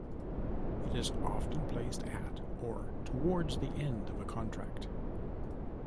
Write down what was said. It is often placed at or towards the end of the contract.